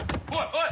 おい！